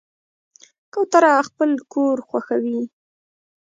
کوتره خپل کور خوښوي.